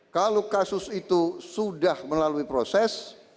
kalau kasus itu sudah melalui proses